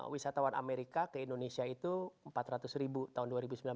wisatawan amerika ke indonesia itu empat ratus ribu tahun dua ribu sembilan belas